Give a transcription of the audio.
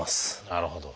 なるほど。